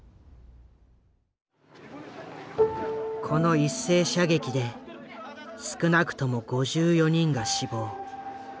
この一斉射撃で少なくとも５４人が死亡。